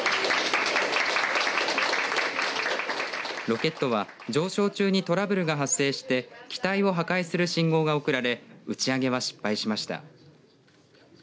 ロケットは上昇中にトラブルが発生して機体を破壊する信号が送られ打ち上げは失敗しました。